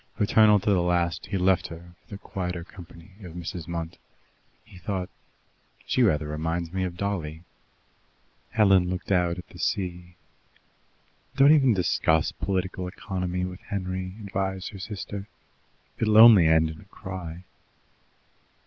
Fraternal to the last, he left her for the quieter company of Mrs. Munt. He thought, "She rather reminds me of Dolly." Helen looked out at the sea. "Don't even discuss political economy with Henry," advised her sister. "It'll only end in a cry."